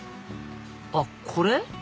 あっこれ？